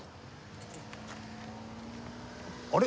あれ？